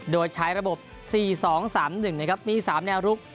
โดยใช้ระบบ๔๒๓๑นะครับมี๓แนวลุก